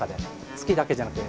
月だけじゃなくて